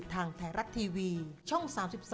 ทางแถรกทีวีช่อง๓๒